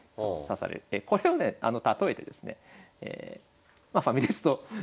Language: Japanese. これをね例えてですねファミレスと。